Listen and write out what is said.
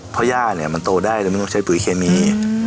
เพราะย่าเนี่ยมันโตได้โดยไม่ต้องใช้ปุ๋ยเคมี